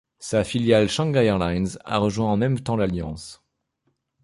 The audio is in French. Sa filiale Shanghai Airlines a rejoint en même temps l'alliance.